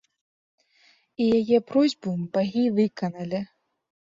І яе просьбу багі выканалі.